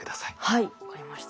はい分かりました。